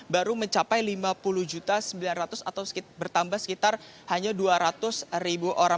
baru mencapai lima puluh sembilan ratus atau bertambah sekitar hanya dua ratus orang